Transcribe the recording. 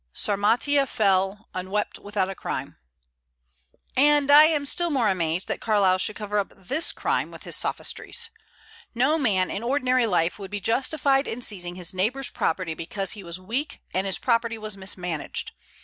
"Sarmatia fell, unwept, without a crime." And I am still more amazed that Carlyle should cover up this crime with his sophistries. No man in ordinary life would be justified in seizing his neighbor's property because he was weak and his property was mismanaged.